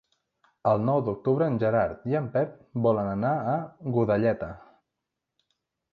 El nou d'octubre en Gerard i en Pep volen anar a Godelleta.